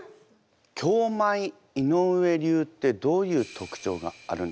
京舞・井上流ってどういう特徴があるんでしょうか？